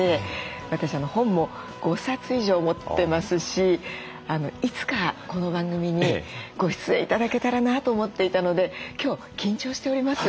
私本も５冊以上持ってますしいつかこの番組にご出演頂けたらなと思っていたので今日緊張しております。